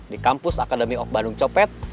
di kampus akademi of bandung copet